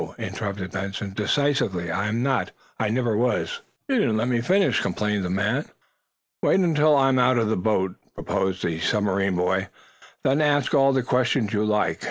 interrupted Benson, decisively. "I am not. I never was." "You didn't let me finish," complained the man. "Wait until I'm out of the boat," proposed the submarine boy. "Then ask all the questions you like.